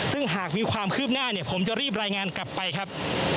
ซึ่งหากมีความคืบหน้าเนี่ยผมจะรีบรายงานกลับไปครับ